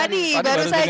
tadi baru saja